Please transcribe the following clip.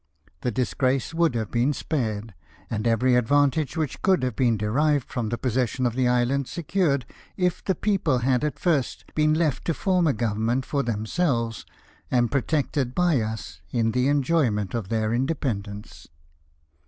The disgrace would have been spared, and every advantage which could have been derived from the possession of th& island secured, if the people had at first been left to form a government for themselves, and protected by us in the enjoyment of their independence.